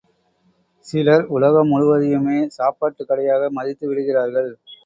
சிலர் உலகம் முழுவதையுமே சாப்பாட்டு கடையாக மதித்து விடுகிறார்கள்.